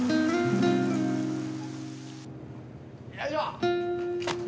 よいしょ！